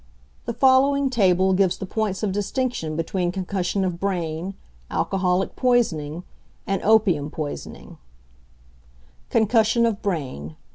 The following table gives the points of distinction between concussion of brain, alcoholic poisoning, and opium poisoning: CONCUSSION OF BRAIN.